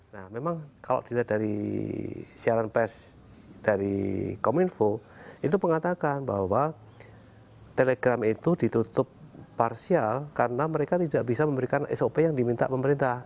nah memang kalau dilihat dari siaran pes dari kominfo itu mengatakan bahwa telegram itu ditutup parsial karena mereka tidak bisa memberikan sop yang diminta pemerintah